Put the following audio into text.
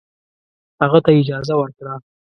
هغه ته یې اجازه ورکړه.